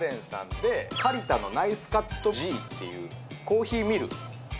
ＫａｌｉｔａのナイスカットＧっていうコーヒーミル